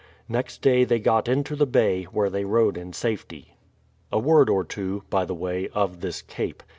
Next day they got into the bay, where they rode in safety. A word or two, by the way, of this Cape.